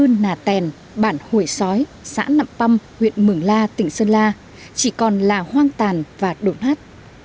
như nà tèn bản hồi sói xã nậm băm huyện mường la tỉnh sơn la chỉ còn là hoang tàn và đổn hát